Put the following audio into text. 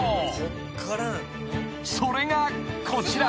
［それがこちら］